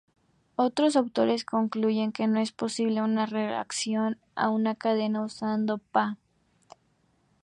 Otros autores concluyen que no es posible una reacción en cadena usando Pa.